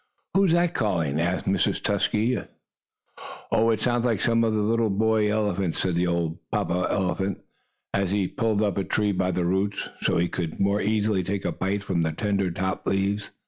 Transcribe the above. "Who's that calling?" asked Mrs. Tusky, of her husband. "Oh, it sounds like some of the little boy elephants," said the old papa elephant, as he pulled up a tree by the roots, so he could the more easily take a bite from the tender top leaves.